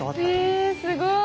えすごい。